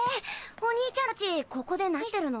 お兄ちゃんたちここで何してるの？